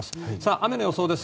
雨の予想です。